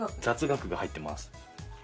雑学が入ってます。